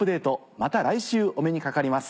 また来週お目にかかります。